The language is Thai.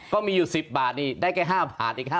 ก็มีอยู่๑๐บาทนี่ได้แค่๕บาทอีก๕บาทอยู่ที่เขา